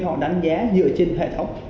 họ đánh giá dựa trên hệ thống